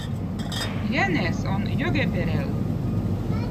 jänez on Jõgõperäll